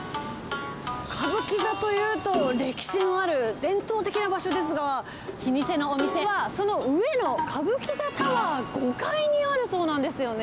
歌舞伎座というと、歴史のある伝統的な場所ですが、老舗のお店はその上の歌舞伎座タワー５階にあるそうなんですよね。